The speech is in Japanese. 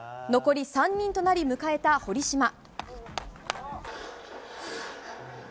残り３人となり迎えた堀島。